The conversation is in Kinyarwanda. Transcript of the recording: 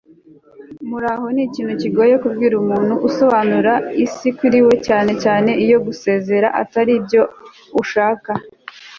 muraho ni ikintu kigoye kubwira umuntu usobanura isi kuri wewe, cyane cyane iyo gusezera atari byo ushaka